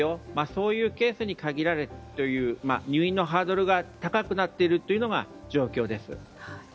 そういうケースに限られるというように入院のハードルが高くなっているという状況です。